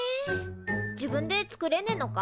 自分でつくれねえのか？